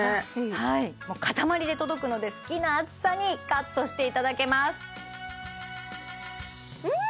はい塊で届くので好きな厚さにカットしていただけますうん！